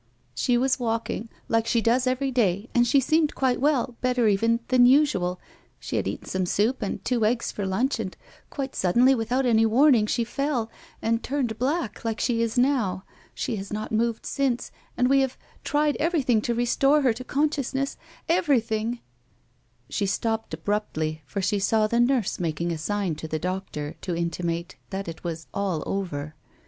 "She was walking — like she does every day — and she seemed quite well, better even — than usual. She had eaten some soup and two eggs for lunch, and — quite suddenly, without any warning she fell — and turned black, like she is now ; she has not moved since, and we have — tried everything to restore her to consciousness — everything —" She stopped abruptly for she saw the nurse making a sign to the doctor to intimate that it was all over.